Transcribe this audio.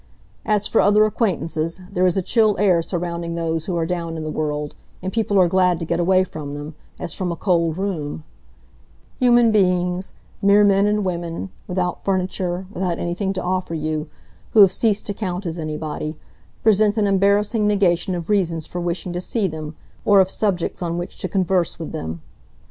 As for other acquaintances, there is a chill air surrounding those who are down in the world, and people are glad to get away from them, as from a cold room; human beings, mere men and women, without furniture, without anything to offer you, who have ceased to count as anybody, present an embarrassing negation of reasons for wishing to see them, or of subjects on which to converse with them.